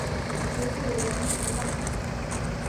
子卜怜吉歹。